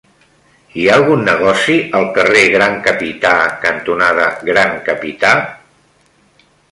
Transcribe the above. Hi ha algun negoci al carrer Gran Capità cantonada Gran Capità?